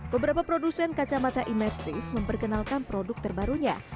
beberapa produsen kacamata imersif memperkenalkan produk terbarunya